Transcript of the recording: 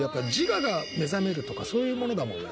そういうものだもんね。